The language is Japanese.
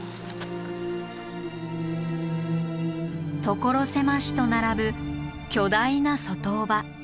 所狭しと並ぶ巨大な卒塔婆。